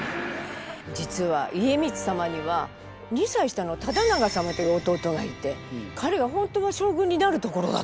実は家光様には２歳下の忠長様という弟がいて彼が本当は将軍になるところだったんですよ。